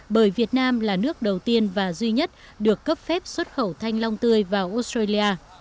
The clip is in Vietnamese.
bởi việt nam là nước đầu tiên và duy nhất được cấp phép xuất khẩu thanh long tươi vào australia